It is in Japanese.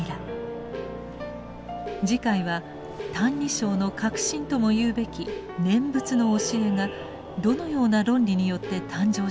次回は「歎異抄」の核心とも言うべき念仏の教えがどのような論理によって誕生したのか